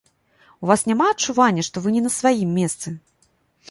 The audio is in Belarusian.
У вас няма адчування, што вы не на сваім месцы?